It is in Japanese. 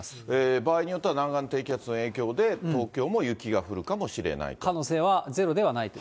場合によっては、南岸低気圧の影響で、東京も雪が降るかもし可能性はゼロではないと。